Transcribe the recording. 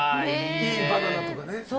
いいバナナとかね。